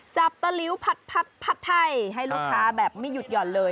ตะลิ้วผัดไทยให้ลูกค้าแบบไม่หยุดหย่อนเลย